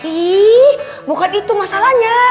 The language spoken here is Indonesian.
ih bukan itu masalahnya